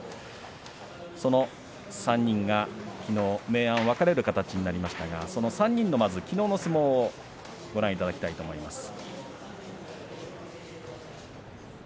その３人がきのう明暗分かれる形になりましたが３人のまずきのうの相撲をご覧いただきます。